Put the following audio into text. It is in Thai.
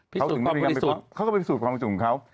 พิสูจน์ความปฏิสุทธิ์เขาก็ไปพิสูจน์ความปฏิสุทธิ์ของเขา